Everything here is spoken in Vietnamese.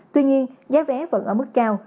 tuy nhiên giá vé vẫn ở mức cao